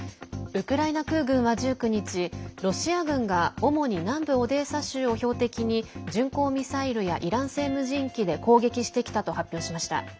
ウクライナ空軍は１９日ロシア軍が主に南部オデーサ州を標的に巡航ミサイルやイラン製無人機で攻撃してきたと発表しました。